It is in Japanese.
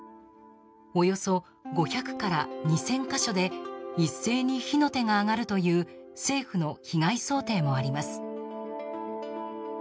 およそ５００から２０００か所で一斉に火の手が上がるという政府の被害想定もあります。